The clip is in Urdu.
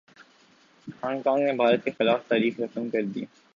ہانگ کانگ نے بھارت کے خلاف تاریخ رقم کردی